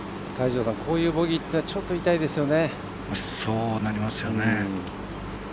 フェアウエーからボギーというのはちょっと痛いですよね。